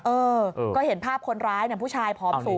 เออก็เห็นภาพคนร้ายเนี่ยผู้ชายพร้อมสูงเนี่ยค่ะ